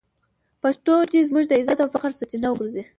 پښتو دې زموږ د عزت او فخر سرچینه وګرځي.